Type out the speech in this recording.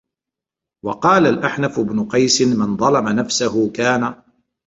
وَقَالَ الْأَحْنَفُ بْنُ قَيْسٍ مَنْ ظَلَمَ نَفْسَهُ كَانَ